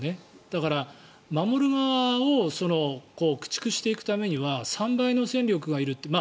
だから、守る側を駆逐していくためには３倍の戦力がいるって。